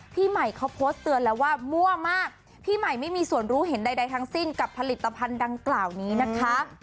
พี่ใหม่เขาโพสต์เตือนแล้วว่ามั่วมากพี่ใหม่ไม่มีส่วนรู้เห็นใดทั้งสิ้นกับผลิตภัณฑ์ดังกล่าวนี้นะคะ